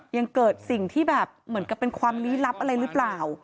ยังเกิดสิ่งที่แบบเหมือนกับเป็นความลี้ลับอะไรหรือเปล่า